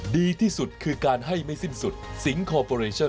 ดีที่สุดคือการให้ไม่สิ้นสุดสิงคอร์ปอเรชั่น